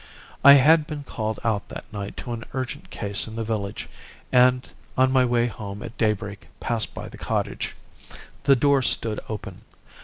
"I had been called out that night to an urgent case in the village, and on my way home at daybreak passed by the cottage. The door stood open.